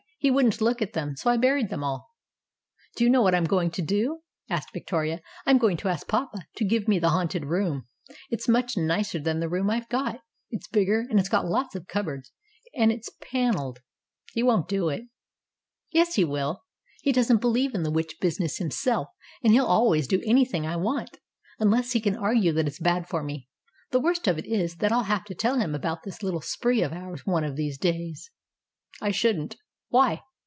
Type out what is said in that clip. He wouldn't look at them. So I buried them all !" "Do you know what I'm going to do?" asked Vic toria. "I'm going to ask papa to give me the haunted room. It's much nicer than the room I've got. It's bigger, and it's got lots of cupboards, and it's pan elled." "He won't do it." THE TENWOOD WITCH 253 "Yes, he will. He doesn't believe in the witch business himself, and he'll always do anything I want unless he can argue that it's bad for me. The worst of it is that I'll have to tell him about this little spree of ours one of these days." "I shouldn't. Why?"